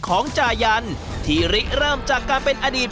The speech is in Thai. ปลาเคราะห์ทอดน้ำปลา๒๙๕บาท